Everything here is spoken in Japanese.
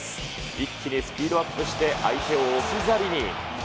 一気にスピードアップして相手を置き去りに。